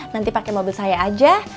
nanti pakai mobil saya aja